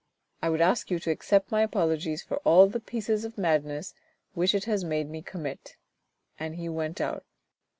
I would ask you to accept my apologies for all the pieces of madness which it has made me commit." And he went out.